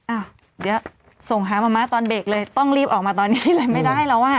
อ่ะเดี๋ยวส่งหามะม้าตอนเบรกเลยต้องรีบออกมาตอนนี้เลยไม่ได้แล้วอ่ะ